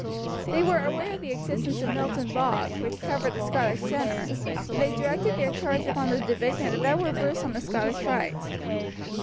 They were aware of the existence of Milton Bog, which covered the Scottish centre, and they directed their charge upon the division of Edward Bruce on the Scottish right.